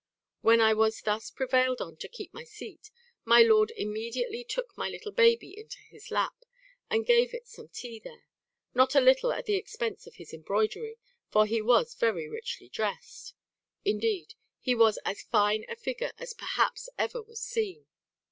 When I was thus prevailed on to keep my seat, my lord immediately took my little baby into his lap, and gave it some tea there, not a little at the expense of his embroidery; for he was very richly drest; indeed, he was as fine a figure as perhaps ever was seen.